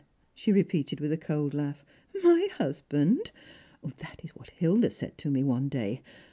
she repeated, with a cold laugh — "my hus band ! That is what Hilda said to me one day.